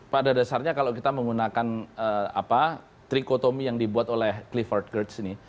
pada dasarnya kalau kita menggunakan apa trichotomy yang dibuat oleh clifford gertz ini